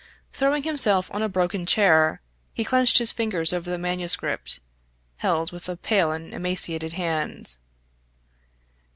Throwing himself on a broken chair, he clenched his fingers over the manuscript, held within a pale and emaciated hand.